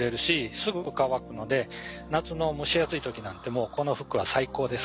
すぐ乾くので夏の蒸し暑い時なんてもうこの服は最高です。